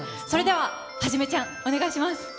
それでは一ちゃん、お願いします。